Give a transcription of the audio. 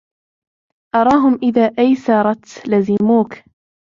أَرَاهُمْ إذَا أَيْسَرْت لَزِمُوك